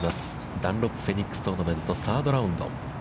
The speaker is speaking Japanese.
ダンロップフェニックストーナメント、サードラウンド。